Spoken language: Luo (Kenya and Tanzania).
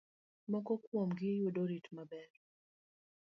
Moko kuom gi yudo rit maber.